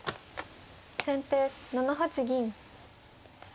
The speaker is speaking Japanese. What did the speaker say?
先手７八銀。